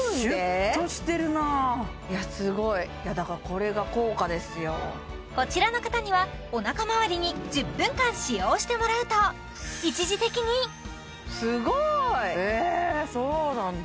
シュッとしてるなすごいだからこれが効果ですよこちらの方にはおなかまわりに１０分間使用してもらうと一時的にすごいえっそうなんだ